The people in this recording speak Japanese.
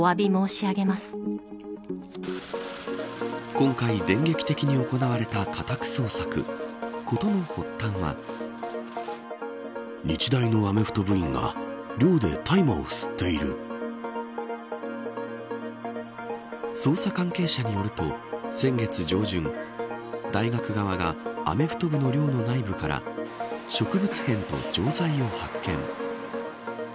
今回、電撃的に行われた家宅捜索捜査関係者によると先月上旬大学側がアメフト部の寮の内部から植物片と錠剤を発見。